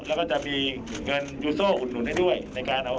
แล้วก็จะมีเงินยูโซ่อุดหนุนให้ด้วยในการเอา